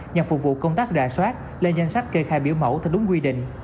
nhằm phục vụ công tác rà soát lên danh sách kê khai biểu mẫu theo đúng quy định